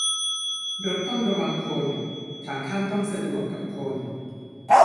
รถต้องระวังคน ทางข้ามต้องสะดวกกับคน